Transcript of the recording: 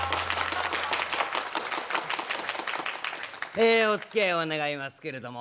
えおつきあいを願いますけれども。